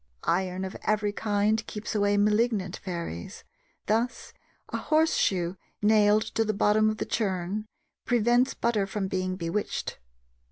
Iron of every kind keeps away malignant fairies: thus, a horseshoe nailed to the bottom of the churn prevents butter from being bewitched.